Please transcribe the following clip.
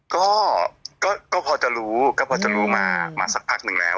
ก็ก็พอจะรู้ก็พอจะรู้มาสักพักหนึ่งแล้ว